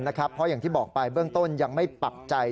เพราะอย่างที่บอกไปเบื้องต้นยังไม่ปักใจ